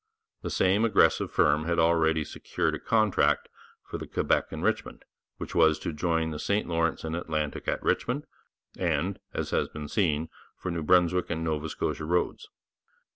The same aggressive firm had already secured a contract for the Quebec and Richmond, which was to join the St Lawrence and Atlantic at Richmond, and, as has been seen, for New Brunswick and Nova Scotia roads.